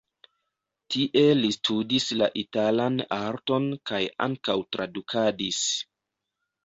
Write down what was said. Tie li studis la italan arton kaj ankaŭ tradukadis.